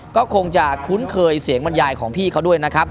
ก็คงจะคุ้นเคยเสียงบรรยายของพี่เขาด้วยนะครับ